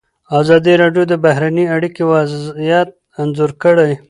ازادي راډیو د بهرنۍ اړیکې وضعیت انځور کړی.